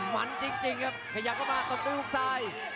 หมันจริงครับขยับเข้ามาตรงกระยุกท์ซ้าย